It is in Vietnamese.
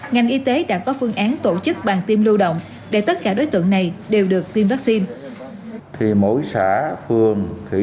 ngành y tế đã có phương án tổ chức bàn tiêm lưu động để tất cả đối tượng này đều được tiêm vaccine